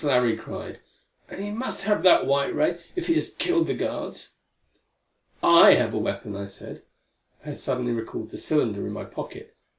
Larry cried. "And he must have that white ray, if he has killed the guards!" "I have a weapon!" I said. I had suddenly recalled the cylinder in my pocket.